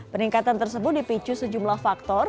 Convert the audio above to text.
peningkatan tersebut dipicu sejumlah faktor